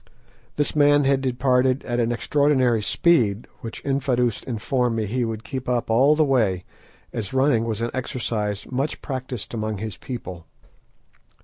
This man had departed at an extraordinary speed, which Infadoos informed me he would keep up all the way, as running was an exercise much practised among his people.